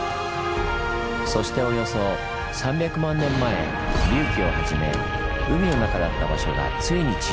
そしておよそ３００万年前隆起を始め海の中だった場所がついに地上に顔を出したんです。